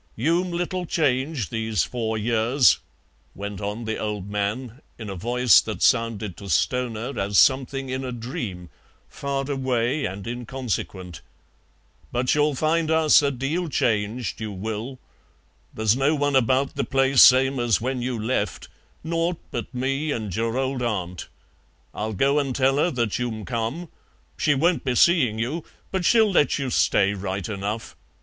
"You'm little changed these four years," went on the old man, in a voice that sounded to Stoner as something in a dream, far away and inconsequent; "but you'll find us a deal changed, you will. There's no one about the place same as when you left; nought but me and your old Aunt. I'll go and tell her that you'm come; she won't be seeing you, but she'll let you stay right enough.